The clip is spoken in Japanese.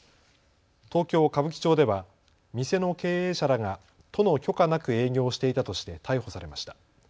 東京歌舞伎町では店の経営者らが都の許可なく営業していたとして逮捕されました。